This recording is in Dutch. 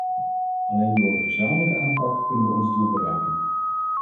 Alleen door een gezamenlijke aanpak kunnen we ons doel bereiken.